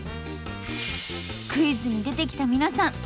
クイズに出てきた皆さん